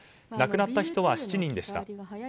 亡くなった人は７人でした。